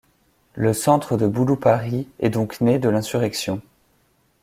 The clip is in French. Le centre de Bouloupari est donc né de l'insurrection.